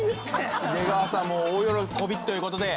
出川さんも大喜びということで。